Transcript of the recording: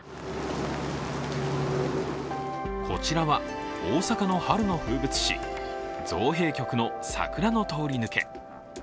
こちらは大阪の春の風物詩、造幣局の桜の通り抜け。